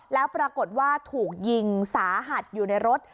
แล้วปรากฏว่าถูกยิงสาหัสอยู่ในรถ